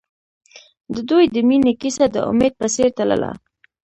د دوی د مینې کیسه د امید په څېر تلله.